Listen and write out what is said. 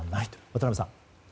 渡辺さん。